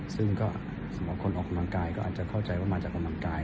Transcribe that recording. ซึ่งก็สำหรับคนออกกำลังกายก็อาจจะเข้าใจว่ามาจากกำลังกาย